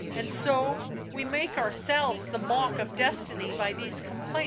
... and so, we make our selves the mock of destiny by these complaints.